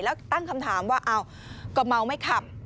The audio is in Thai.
แล้วตั้งคำถามว่าอ้าวก็เมาไม่ขับ